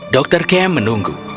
dr kemp menunggu